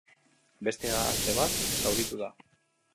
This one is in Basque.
Beste gazte bat zauritu da.